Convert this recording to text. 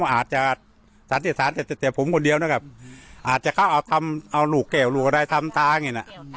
อาจจะจะผมคนเดียวนะครับอาจจะเข้าเอาเอาลูกเก่วลูกอะไรทำตาอย่างงี้น่ะ